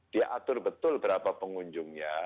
dia atur betul berapa pengunjungnya